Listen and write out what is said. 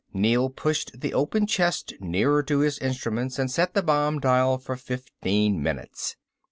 Neel pushed the open chest nearer to his instruments and set the bomb dial for fifteen minutes.